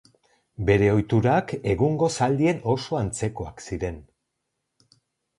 Bere ohiturak egungo zaldien oso antzekoak ziren.